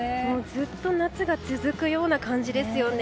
ずっと夏が続くような感じですよね。